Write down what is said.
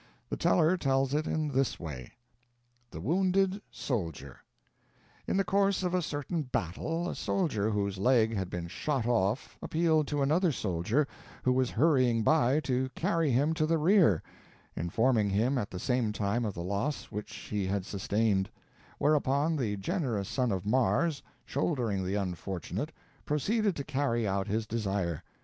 The teller tells it in this way: THE WOUNDED SOLDIER In the course of a certain battle a soldier whose leg had been shot off appealed to another soldier who was hurrying by to carry him to the rear, informing him at the same time of the loss which he had sustained; whereupon the generous son of Mars, shouldering the unfortunate, proceeded to carry out his desire.